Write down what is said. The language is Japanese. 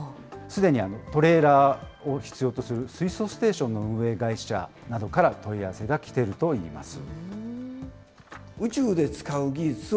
すでにトレーラーを必要とする水素ステーションの運営会社などから問い合わせが来ているといいます。